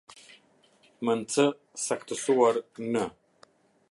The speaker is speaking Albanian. Mën c saktësuar në.